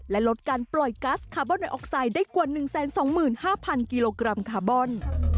และลดการปล่อยกัสคาร์บอนไอออกไซด์ได้กว่า๑๒๕๐๐กิโลกรัมคาร์บอน